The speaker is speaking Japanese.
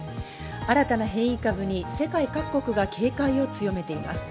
新たな変異株に世界各国が警戒を強めています。